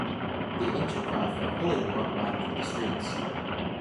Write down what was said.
The ancient cry for a Holy War rang through the streets.